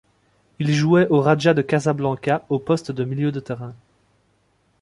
Il jouait au Raja de Casablanca au poste de milieu de terrain.